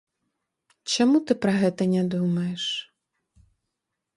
Чаму ты пра гэта не думаеш?